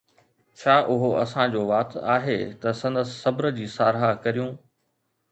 ڇا اھو اسان جو وات آھي ته سندس صبر جي ساراھہ ڪريون؟